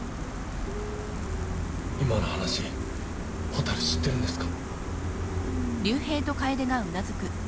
今の話蛍知ってるんですか？